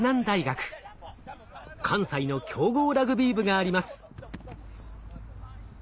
関西の強豪ラグビー部があります。